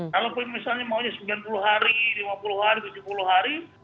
kalaupun misalnya maunya sembilan puluh hari lima puluh hari tujuh puluh hari